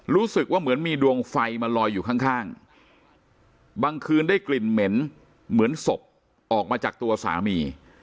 รู้สึกว่าเหมือนมีดวงไฟมาลอยอยู่ข้างบางคืนได้กลิ่นเหม็นเหมือนศพออกมาจากตัวสามี